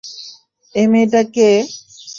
এই মেয়েটা কে?